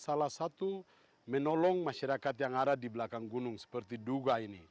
salah satu menolong masyarakat yang ada di belakang gunung seperti duga ini